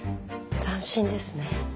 斬新ですね。